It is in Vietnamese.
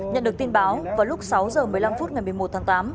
nhận được tin báo vào lúc sáu h một mươi năm phút ngày một mươi một tháng tám